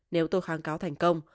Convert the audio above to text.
nếu tôi kháng cáo thành công